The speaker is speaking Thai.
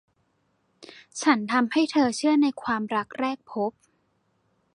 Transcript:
ฉันทำให้เธอเชื่อในความรักแรกพบ